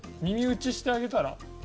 耳打ちしてあげたら？